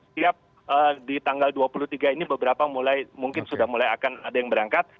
setiap di tanggal dua puluh tiga ini beberapa mulai mungkin sudah mulai akan ada yang berangkat